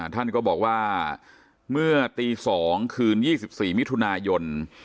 ท่านก็บอกว่าเมื่อตี๒คืน๒๔มิถุนายน